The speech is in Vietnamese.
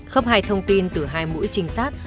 khắp hài thông tin từ hai mũi trinh sát